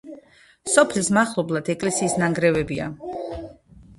სოფლის მახლობლად ეკლესიის ნანგრევებია.